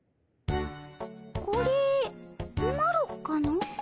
これマロかの？